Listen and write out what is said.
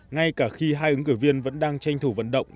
ngay cả khi hai ứng cử viên vẫn đang tranh thủ vận động